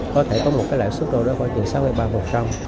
có thể có một lãi suất đó là chừng sáu mươi ba một